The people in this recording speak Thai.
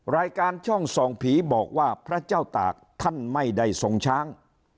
รายการช่องส่องผีบอกว่าพระเจ้าตากท่านไม่ได้ทรงช้าง